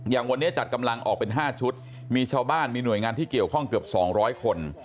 อย่างวันนี้จัดกำลังออกเป็น๕ชุดมีชาวบ้านมีหน่วยงานที่เกี่ยวข้องเกือบ๒๐๐คน